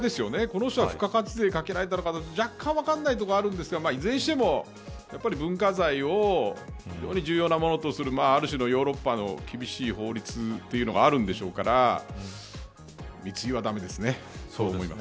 この人が付加価値税をかけられたのか分からないところがあるんですがいずれにしても文化財をより重要なものとするある種のヨーロッパの厳しい法律というのがあるんでしょうから密輸は駄目ですね。